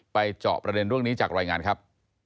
เจาะประเด็นเรื่องนี้จากรายงานครับ